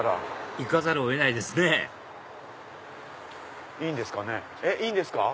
行かざるを得ないですねえっいいんですか？